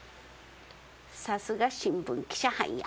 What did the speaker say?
さすが新聞記者はんや。